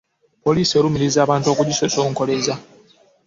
Poliisi erumiriza abantu okugisosonkereza.